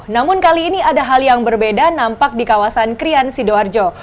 namun kali ini ada hal yang berbeda nampak di kawasan krian sidoarjo